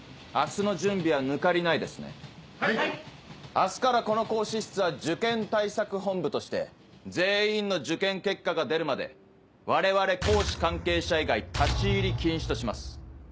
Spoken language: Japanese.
明日からこの講師室は受験対策本部として全員の受験結果が出るまで我々講師関係者以外立ち入り禁止とします。